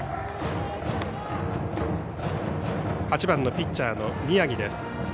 ８番のピッチャーの宮城。